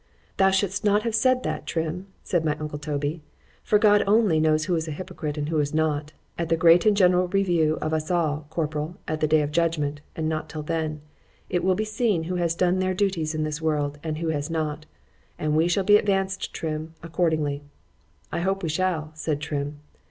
——Thou shouldst not have said that, Trim, said my uncle Toby,—for God only knows who is a hypocrite, and who is not:——At the great and general review of us all, corporal, at the day of judgment (and not till then)—it will be seen who has done their duties in this world,—and who has not; and we shall be advanced, Trim, accordingly.——I hope we shall, said _Trim.